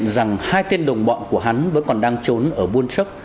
rồi dạy ra